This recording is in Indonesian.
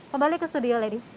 kembali ke studio lady